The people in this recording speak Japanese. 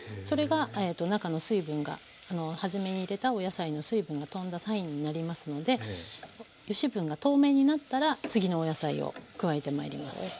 それが中の水分が初めに入れたお野菜の水分がとんだサインになりますので油脂分が透明になったら次のお野菜を加えてまいります。